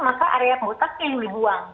maka area pusat yang dibuang